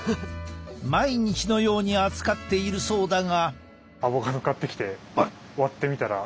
毎日のように扱っているそうだが。